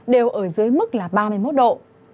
đều ở dưới mức là ba mươi một độ